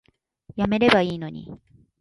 やめればいいのに